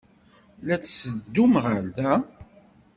La d-tetteddum ɣer da?